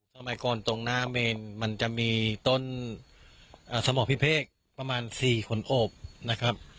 สมัยก่อนตรงหน้าเมนมันจะมีต้นสมพิเภกประมาณ๔ขนโอบนะครับ